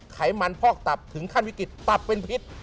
ไขมันพอกตับถึงขั้นวิกฤตตับเป็นพิษ